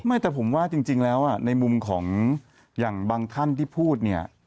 ไม่แต่ผมว่าจริงแล้วในมุมของอย่างบางท่านที่พูดเนี่ย